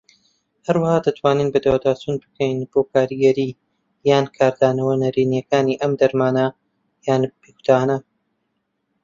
هەروەها دەتوانین بەدواداچوون بکەین بۆ کاریگەریی یان کاردانەوە نەرێنیەکانی ئەم دەرمان یان پێکوتانە.